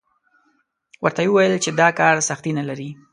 ورته ویل یې چې دا کار سختي نه لري.